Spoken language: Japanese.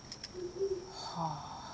はあ。